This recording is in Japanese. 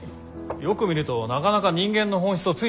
よく見るとなかなか人間の本質をついてますね。